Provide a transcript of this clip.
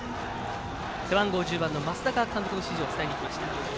背番号１３番の増田が監督の指示を伝えに行きました。